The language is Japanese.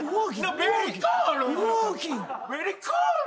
ベリーコールド。